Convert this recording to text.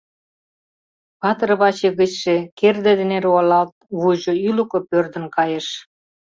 Патыр ваче гычше, керде дене руалалт, вуйжо ӱлыкӧ пӧрдын кайыш...